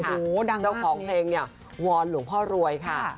โอ้โหดังมากเนี่ยเจ้าของเพลงนี่วรหลวงพ่อรวยค่ะ